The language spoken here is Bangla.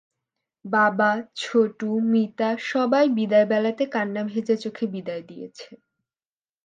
বাবা, ছোটু, মিতা সবাই বিদায় বেলাতে কান্না ভেজা চোখে বিদায় দিয়েছে।